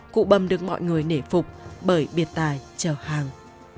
cụ bầm được mọi người nể phục bởi biệt tài trợ hàng